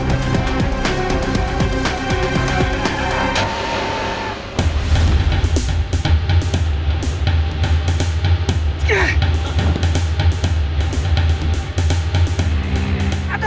saya punya rencana